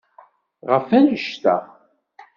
Ɣef wannect-a.